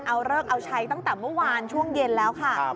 เอาเลิกเอาใช้ตั้งแต่เมื่อวานช่วงเย็นแล้วค่ะ